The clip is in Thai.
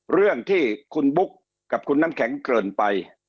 เรื่องที่คุณบุ๊คกับคุณน้ำแข็งเกินไป